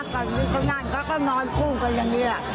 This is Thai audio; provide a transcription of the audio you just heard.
ก่อนที่คนนั้นเขาก็นอนคู่กันอย่างนี้